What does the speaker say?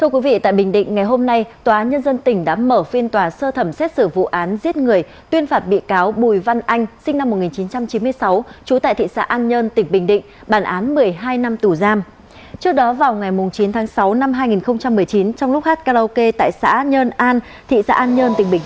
các bạn hãy đăng ký kênh để ủng hộ kênh của chúng mình nhé